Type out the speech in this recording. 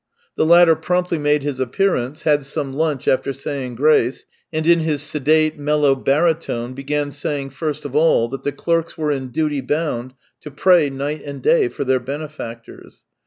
The latter promptly made his appearance, had some lunch after saying grace, and in his sedate, mellow baritone began saying first of all that the clerks were in duty bound to pray night and day for their benefactors.